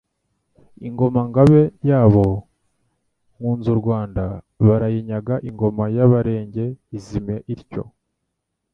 Ingoma-Ngabe yabo “Nkunzurwanda” barayinyaga, Ingoma y'Abarenge izima ityo.